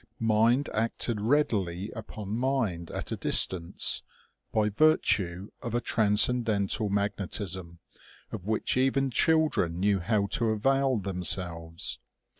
Mind acted readily upon mind at a dis tance, by virtue of a transcendental magnetism, of which even children knew how to avail themselves.